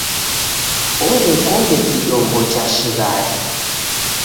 Orekoghe kidombo cha shighadi.